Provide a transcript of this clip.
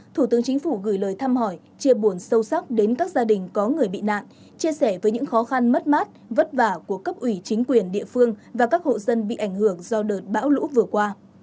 thủ tướng chính phủ gửi lời thăm hỏi chia buồn sâu sắc đến các gia đình có người bị nạn chia sẻ với những khó khăn mất mát vất vả của cấp ủy chính quyền địa phương và các hộ dân bị ảnh hưởng do đợt bão lũ vừa qua